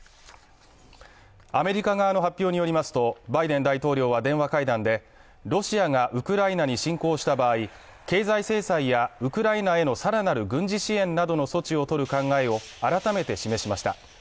アメリカ側の発表によりますとバイデン大統領は電話会談でロシアがウクライナに侵攻した場合、経済制裁やウクライナへの更なる軍事支援などの措置をとることを改めて示しました。